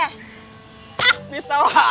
ah bisa lah